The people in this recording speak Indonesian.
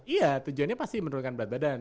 iya tujuannya pasti menurunkan berat badan